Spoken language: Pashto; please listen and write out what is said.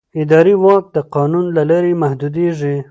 اداري واک د قانون له لارې محدودېږي.